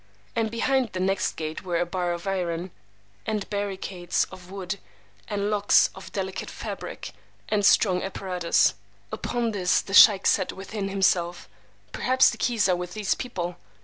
And behind the [next] gate were a bar of iron, and barricades of wood, and locks of delicate fabric, and strong apparatus. Upon this, the sheykh said within himself, Perhaps the keys are with these people.